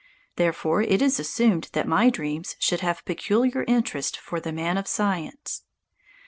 Therefore it is assumed that my dreams should have peculiar interest for the man of science.